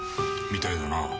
みたいだな。